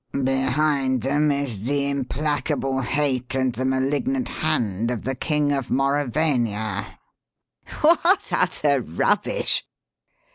"Behind them is 'the implacable hate and the malignant hand' of the King of Mauravania!" "What utter rubbish!"